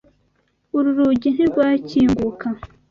Uru rugi ntirwakinguka.